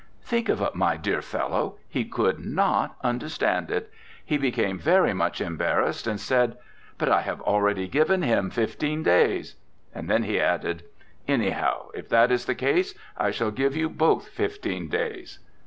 'Think of it, my dear fellow, he could =not= understand it. He became very much embarrassed and said, "But I have already given him fifteen days," and then he added, "Anyhow, if that is the case, I shall give you both fifteen days."